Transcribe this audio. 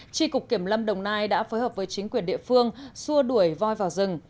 tri cục kiểm lâm đồng nai đã phối hợp với chính quyền địa phương xua đuổi voi vào rừng